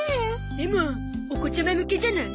でもお子ちゃま向けじゃない？